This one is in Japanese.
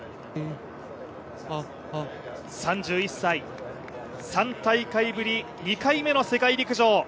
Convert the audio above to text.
３１歳、３大会ぶり、２回目の世界陸上。